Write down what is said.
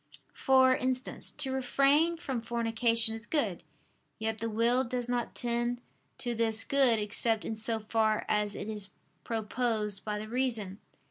For instance, to refrain from fornication is good: yet the will does not tend to this good except in so far as it is proposed by the reason.